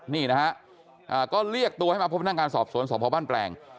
นี่นะครับก็เรียกตัวให้มาพบทางการสอบสวนสอบภาพบ้านแปลง